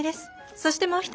そしてもう一人。